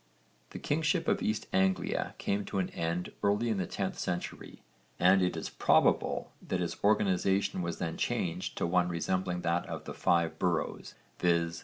The kingship of East Anglia came to an end early in the 10th century, and it is probable that its organisation was then changed to one resembling that of the Five Boroughs, viz.